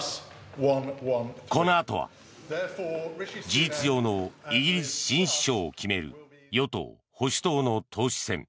事実上のイギリス新首相を決める与党・保守党の党首選。